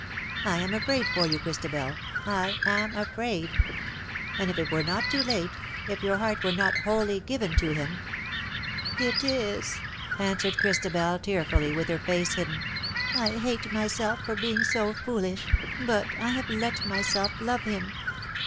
I am afraid for you, Christabel, I am afraid; and if it were not too late — if your heart were not wholly given to him " 102 "tintagel, half in sea, and half on land." '' It is/' answered Christabel, tearfully, with her face hidden ;" I hate myself for being so foolish, but I have let myself love him.